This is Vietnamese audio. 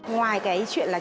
ngoài cái chuyện là